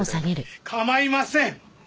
構いません。